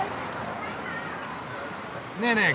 ねえねえ